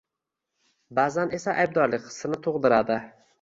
ba’zan esa aybdorlik hissini tug‘diradi.